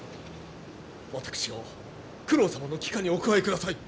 私を九郎様のき下にお加えください。